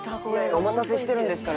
お待たせしてるんですから。